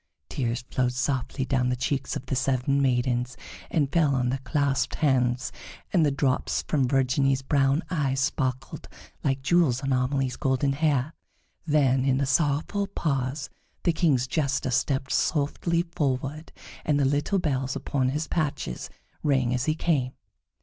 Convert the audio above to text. Tears flowed softly down the cheeks of the seven maidens, and fell on their clasped hands, and the drops from Virginie's brown eyes sparkled like jewels on Amelie's golden hair. Then, in the sorrowful pause, the King's Jester stepped softly forward, and the little bells upon his patches rang as he came.